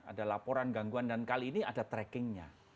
ada laporan gangguan dan kali ini ada trackingnya